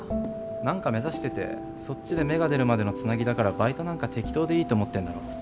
何か目指しててそっちで芽が出るまでのつなぎだからバイトなんか適当でいいと思ってるんだろ。